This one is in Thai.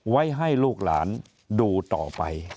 ไว้ให้ลูกหลานดูต่อไป